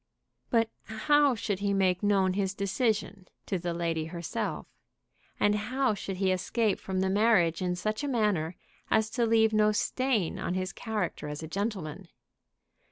But how should he make known his decision to the lady herself? and how should he escape from the marriage in such a manner as to leave no stain on his character as a gentleman?